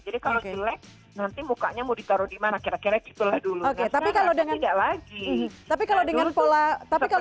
jadi kalau jelek nanti mukanya mau di taruh dimana kira kira gitulah dulu